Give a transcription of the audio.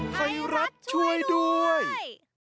ไทยรัฐช่วยด้วยใช่